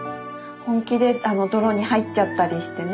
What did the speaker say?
本気で泥に入っちゃったりしてね。